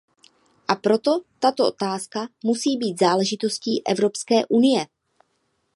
A proto tato otázka musí být záležitostí Evropské unie.